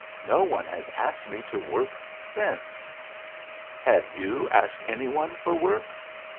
No one has asked me to work since." "Have you asked any one for work?"